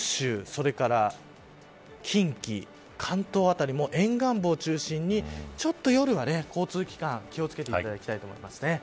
それから近畿関東辺りも沿岸部を中心にちょっと夜は、交通機関気を付けていただきたいと思います。